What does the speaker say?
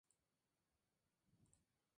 Esta película recibió críticas diversas.